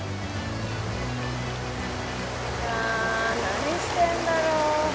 ああ何してんだろう。